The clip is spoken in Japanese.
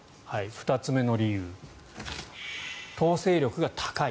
２つ目の理由統制力が高い。